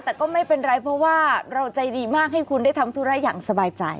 แต่ก็ไม่เป็นไรเพราะว่าเราใจดีมากให้คุณได้ทำธุระอย่างสบายใจ